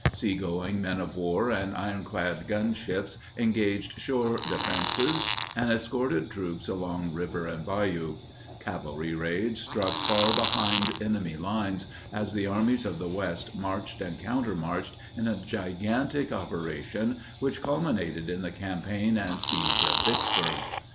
Seagoing men of war and ironclad gunboats engaged shore defenses and escorted troops along river and bayou; cavalry raids struck far behind enemy lines as the armies of the West marched and countermarched in a gigantic operation which culminated in the campaign and siege of Vicksburg.